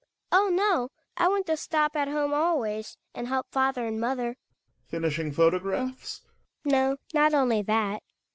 Oh, no ! I want to stop at home always, and help father and mother. Gregers. Finishing photographs ? Hedvig. No, not only that.